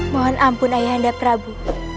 mohon ampun ayah anda prabu